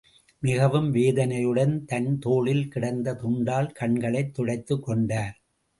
மிகவும் வேதனையுடன், தன் தோளில் கிடந்த துண்டால் கண்களைத் துடைத்துக் கொண்டார்.